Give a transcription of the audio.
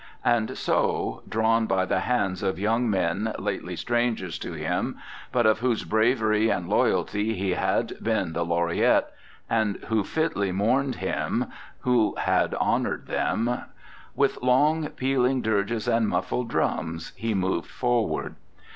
And so, drawn by the hands of young men lately strangers to him, but of whose bravery and loyalty he had been the laureate, and who fitly mourned him who had honored them, with long, pealing dirges and muffled drums, he moved forward.